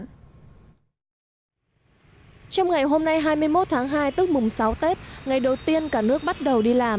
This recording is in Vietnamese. trong ngày hôm nay hai mươi một tháng hai tức mùng sáu tết ngày đầu tiên cả nước bắt đầu đi làm